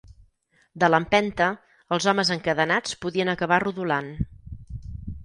De l'empenta, els homes encadenats podien acabar rodolant.